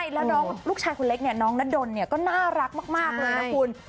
แล้วลูกชายน้องก็น่าแรกมากเลยนะคุณ